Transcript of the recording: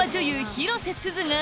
広瀬すずが！